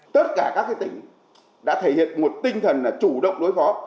tất cả các tỉnh đã thể hiện một tinh thần là chủ động đối phó